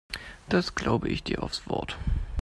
Das glaube ich dir aufs Wort.